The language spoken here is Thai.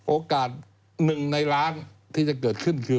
โอกาสหนึ่งในล้านที่จะเกิดขึ้นคือ